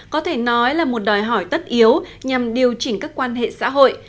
có thể nói là một đòi hỏi tất yếu nhằm điều chỉnh các quan hệ xã hội